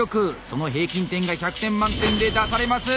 その平均点が１００点満点で出されます。